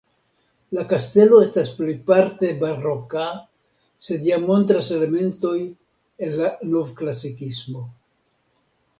La kastelo estas plejparte baroka, sed jam montras elementojn el la novklasikismo.